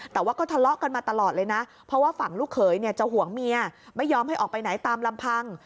แต่ว่าก็ทะเลาะกันมาตลอดเลยนะเพราะว่าฝั่งลูกเขยเนี่ยจะห่วงเมียไม่ยอมให้ออกไปไหนตามลำพัง